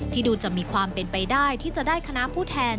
ดูจะมีความเป็นไปได้ที่จะได้คณะผู้แทน